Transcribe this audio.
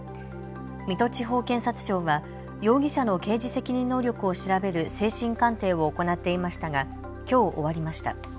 水戸地方検察庁は容疑者の刑事責任能力を調べる精神鑑定を行っていましたがきょう終わりました。